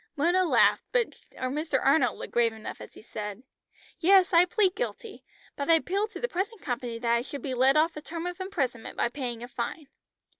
Mona laughed, but Mr. Arnold looked grave enough as he said: "Yes, I plead guilty, but I appeal to the present company that I should be let off a term of imprisonment by paying a fine."